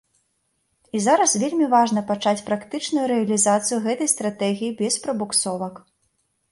І зараз вельмі важна пачаць практычную рэалізацыю гэтай стратэгіі без прабуксовак.